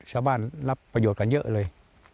ชาวบ้านรับประโยชน์กันเยอะเลย